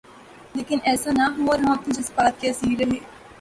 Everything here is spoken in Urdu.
لیکن ایسا نہ ہوا اور ہم اپنے جذبات کے اسیر رہے۔